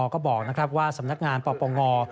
ก็บอกว่าสำนักงานปปง